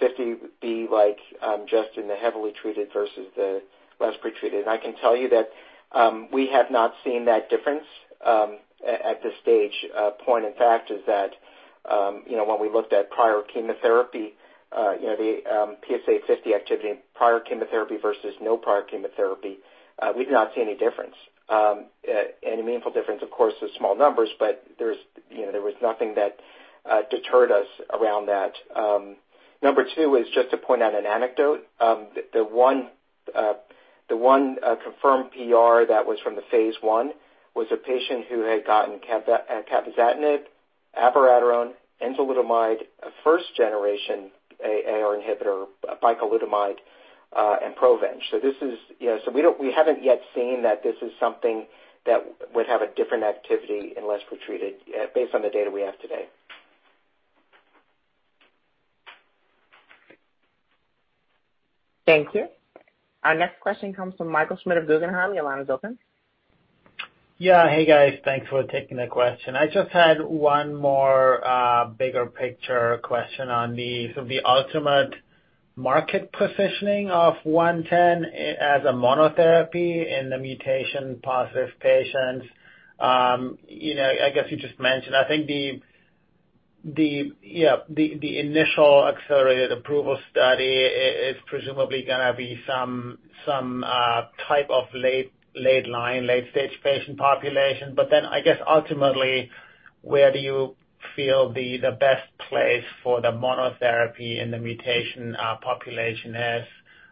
PSA50 be like just in the heavily treated versus the less pretreated? And I can tell you that we have not seen that difference at this stage. In point of fact is that you know, when we looked at prior chemotherapy, you know, the PSA50 activity in prior chemotherapy versus no prior chemotherapy, we did not see any difference, any meaningful difference. Of course, they're small numbers, but there's, you know, there was nothing that deterred us around that. Number two is just to point out an anecdote. The one confirmed PR that was from the phase I was a patient who had gotten cabazitaxel, abiraterone, enzalutamide, a first-generation AR inhibitor, bicalutamide, and PROVENGE. So this is. You know, we haven't yet seen that this is something that would have a different activity in less pretreated, based on the data we have today. Thank you. Our next question comes from Michael Schmidt of Guggenheim. Your line is open. Yeah. Hey, guys. Thanks for taking the question. I just had one more bigger picture question on the sort of the ultimate market positioning of ARV-110 as a monotherapy in the mutation-positive patients. You know, I guess you just mentioned, I think the initial accelerated approval study is presumably gonna be some type of late-line, late-stage patient population. But then I guess ultimately, where do you feel the best place for the monotherapy in the mutation population is?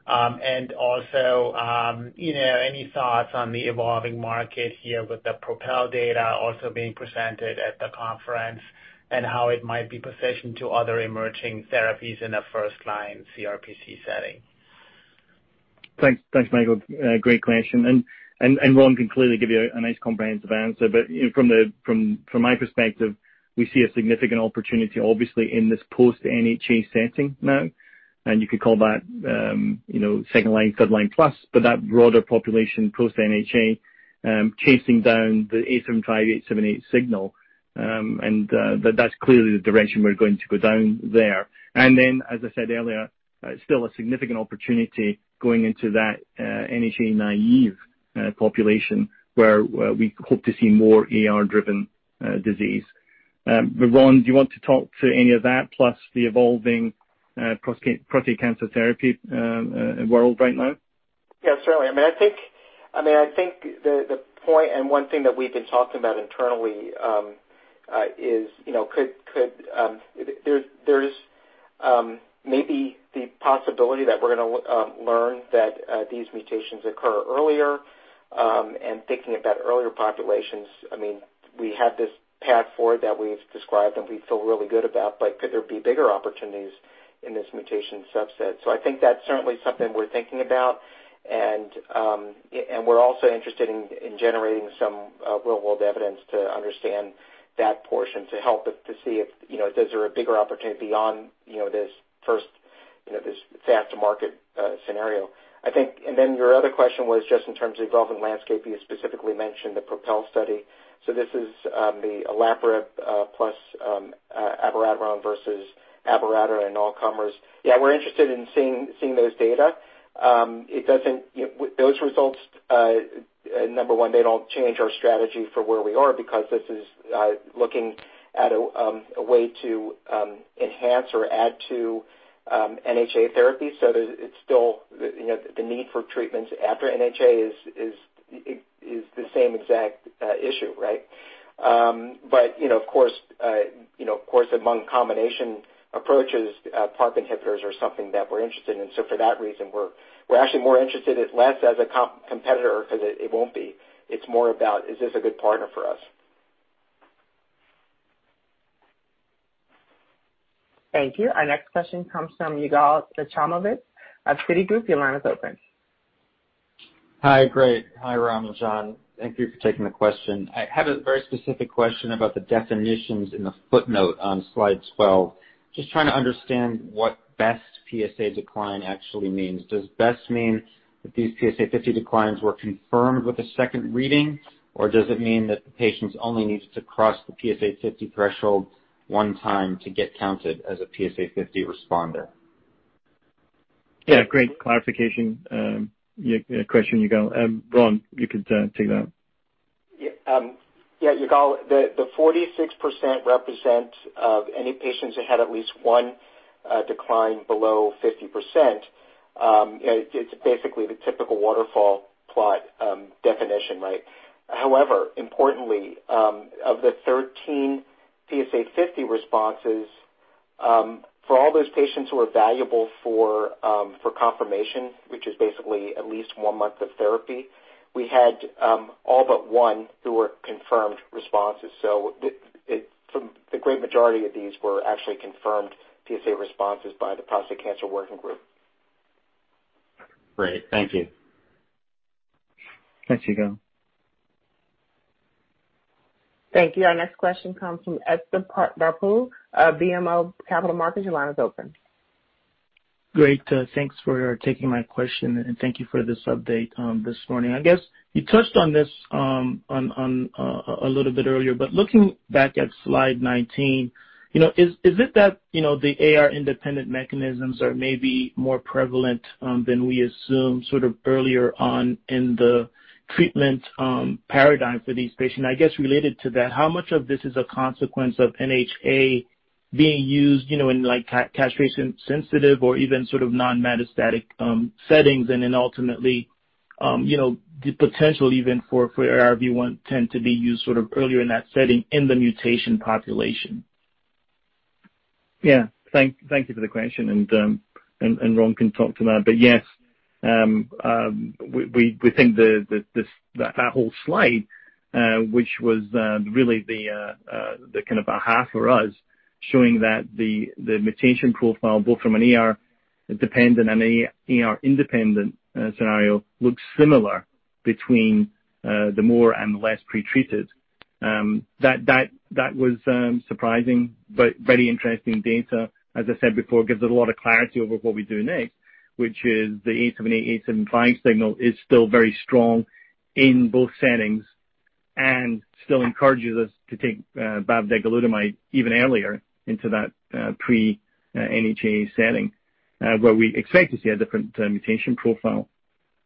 Also, you know, any thoughts on the evolving market here with the PROpel data also being presented at the conference and how it might be positioned to other emerging therapies in a first-line CRPC setting? Thanks. Thanks, Michael. Great question. Ron can clearly give you a nice comprehensive answer. You know, from my perspective we see a significant opportunity, obviously, in this post-NHA setting now and you could call that, you know, second line, third line plus, but that broader population post-NHA, chasing down the H875Y, T878X signal, and that's clearly the direction we're going to go down there. As I said earlier, still a significant opportunity going into that NHA-naive population where we hope to see more AR-driven disease. Ron, do you want to talk to any of that, plus the evolving prostate cancer therapy world right now? Yeah, certainly. I think the point and one thing that we've been talking about internally is, you know, could there be maybe the possibility that we're gonna learn that these mutations occur earlier and thinking about earlier populations. I mean, we have this path forward that we've described and we feel really good about, but could there be bigger opportunities in this mutation subset? I think that's certainly something we're thinking about. Yeah, we're also interested in generating some real world evidence to understand that portion to help us to see if, you know, is there a bigger opportunity beyond, you know, this first, you know, this fast to market scenario. I think. Then your other question was just in terms of evolving landscape. You specifically mentioned the PROpel study. This is the olaparib plus abiraterone versus abiraterone in all comers. Yeah, we're interested in seeing those data. You know, those results, number one, they don't change our strategy for where we are because this is looking at a way to enhance or add to NHA therapy. It's still, you know, the need for treatments after NHA is the same exact issue, right? You know, of course, among combination approaches, PARP inhibitors are something that we're interested in. For that reason, we're actually more interested in it less as a competitor because it won't be. It's more about, is this a good partner for us? Thank you. Our next question comes from Yigal Nochomovitz of Citigroup. Your line is open. Hi. Great. Hi, Ron and John. Thank you for taking the question. I had a very specific question about the definitions in the footnote on slide 12. Just trying to understand what best PSA decline actually means. Does best mean that these PSA 50 declines were confirmed with a second reading? Or does it mean that the patients only needed to cross the PSA 50 threshold one time to get counted as a PSA 50 responder? Yeah, great clarification. Your question, Yigal. Ron, you could take that. Yeah, Yigal, the 46% represent any patients that had at least one decline below 50%. It's basically the typical waterfall plot definition, right? However, importantly of the 13 PSA50 responses, for all those patients who are evaluable for confirmation, which is basically at least one month of therapy, we had all but one who were confirmed responses. So, from the great majority of these were actually confirmed PSA responses by the prostate cancer working group. Great. Thank you. Thanks, Yigal. Thank you. Our next question comes from Etzer Darout of BMO Capital Markets. Your line is open. Great. Thanks for taking my question, and thank you for this update this morning. I guess you touched on this on a little bit earlier, but looking back at slide 19, you know, is it that, you know, the AR independent mechanisms are maybe more prevalent than we assumed sort of earlier on in the treatment paradigm for these patients? I guess related to that, how much of this is a consequence of NHA being used, you know, in, like, castration sensitive or even sort of non-metastatic settings, and then ultimately, you know, the potential even for ARV-110 to be used sort of earlier in that setting in the mutation population? Yeah. Thank you for the question. Ron can talk to that. Yes, we think that whole slide, which was really the kind of aha for us, showing that the mutation profile both from an AR dependent and AR independent scenario, looks similar between the more and the less pretreated. That was surprising but very interesting data. As I said before, it gives it a lot of clarity over what we do next, which is the T878X, H875Y signal is still very strong in both settings and still encourages us to take bavdegalutamide even earlier into that pre-NHA setting, where we expect to see a different mutation profile.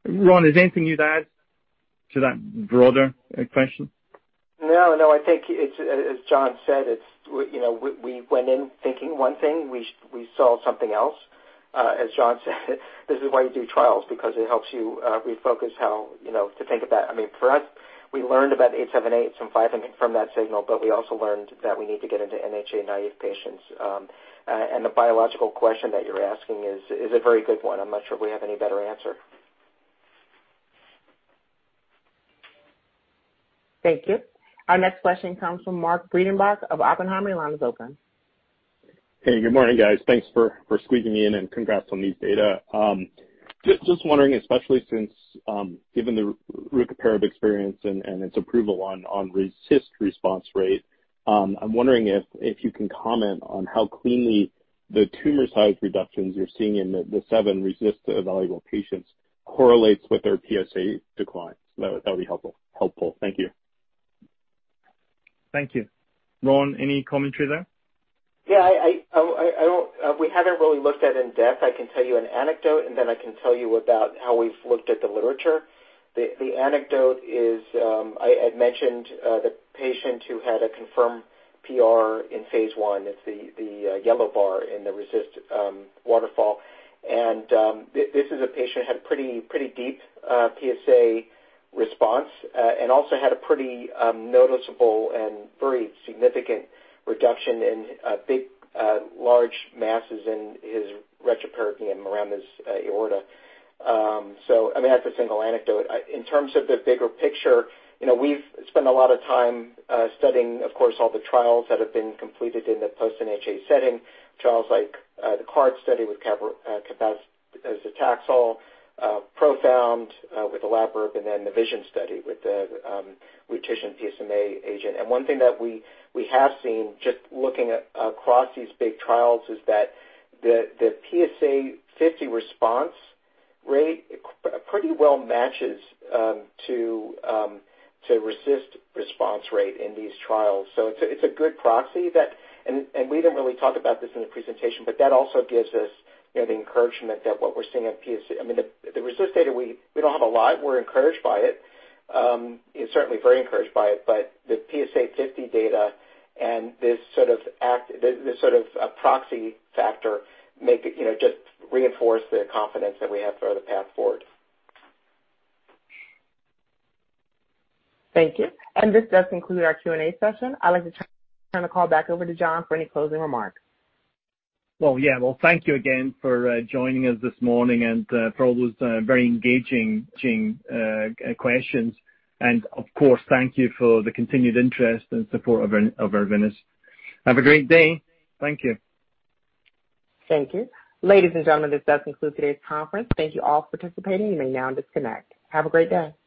Ron, is there anything you'd add to that broader question? No, no, I think it's, as John said, it's you know, we went in thinking one thing, we saw something else. As John said, this is why you do trials, because it helps you refocus how you know, to think about. I mean, for us, we learned about T878X, H875Y from that signal, but we also learned that we need to get into NHA-naive patients. The biological question that you're asking is a very good one. I'm not sure we have any better answer. Thank you. Our next question comes from Mark Breidenbach of Oppenheimer. Line is open. Hey, good morning, guys. Thanks for squeezing me in and congrats on these data. Just wondering, especially since given the rucaparib experience and its approval on RECIST response rate, I'm wondering if you can comment on how cleanly the tumor size reductions you're seeing in the seven RECIST evaluable patients correlates with their PSA declines. That would be helpful. Thank you. Thank you. Ron, any commentary there? Yeah. I don't. We haven't really looked at in depth. I can tell you an anecdote, and then I can tell you about how we've looked at the literature. The anecdote is, I'd mentioned the patient who had a confirmed PR in phase I. It's the yellow bar in the RECIST waterfall. This is a patient who had pretty deep PSA response, and also had a pretty noticeable and very significant reduction in big, large masses in his retroperitoneum around his aorta. So I mean, that's a single anecdote. In terms of the bigger picture, you know, we've spent a lot of time studying, of course, all the trials that have been completed in the post-NHA setting. Trials like the CARD study with cabazitaxel, PROFOUND with olaparib, and then the VISION study with the lutetium PSMA agent. One thing that we have seen just looking across these big trials is that the PSA50 response rate pretty well matches to RECIST response rate in these trials. It's a good proxy that. We didn't really talk about this in the presentation, but that also gives us, you know, the encouragement that what we're seeing at PSA. I mean, the RECIST data, we don't have a lot. We're encouraged by it. Certainly very encouraged by it. But the PSA50 data and this sort of proxy factor make it, you know, just reinforce the confidence that we have for the path forward. Thank you. This does conclude our Q&A session. I'd like to turn the call back over to John for any closing remarks. Well, yeah. Well, thank you again for joining us this morning and for all those very engaging questions. Of course, thank you for the continued interest and support of Arvinas. Have a great day. Thank you. Thank you. Ladies and gentlemen, this does conclude today's conference. Thank you all for participating. You may now disconnect. Have a great day.